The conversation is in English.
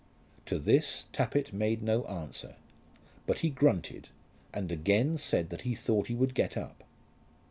To this Tappitt made no answer, but he grunted, and again said that he thought he would get up.